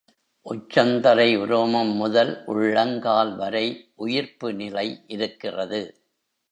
உச்சந்தலை உரோமம் முதல், உள்ளங் கால் வரை உயிர்ப்பு நிலை இருக்கிறது.